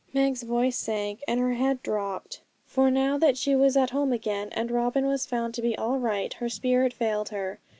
Meg's voice sank, and her head dropped; for now that she was at home again, and Robin was found to be all right, her spirit failed her.